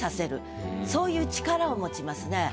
そういう力を持ちますね。